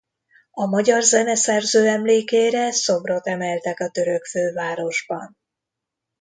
A magyar zeneszerző emlékére szobrot emeltek a török fővárosban.